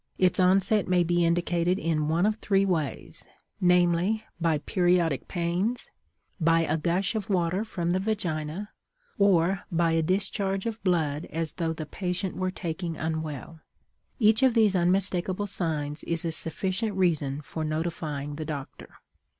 Its onset may be indicated in one of three ways, namely, by periodic pains, by a gush of water from the vagina, or by a discharge of blood as though the patient were taken unwell. Each of these unmistakable signs is a sufficient reason for notifying the doctor.